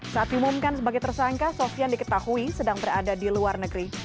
saat diumumkan sebagai tersangka sofian diketahui sedang berada di luar negeri